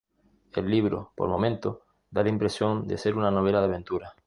El libro, por momentos, da la impresión de ser una novela de aventura.